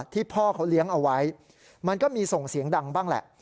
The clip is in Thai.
พ่อเขาเลี้ยงเอาไว้มันก็มีส่งเสียงดังบ้างแหละ